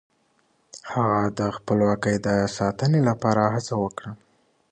هغه د خپلواکۍ د ساتنې لپاره هڅه وکړه.